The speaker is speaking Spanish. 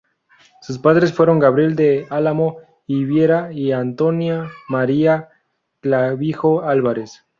Sus padres fueron Gabriel del Álamo y Viera y Antonia María Clavijo Álvarez.